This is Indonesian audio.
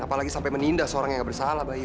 apalagi sampai menindas orang yang gak bersalah bayu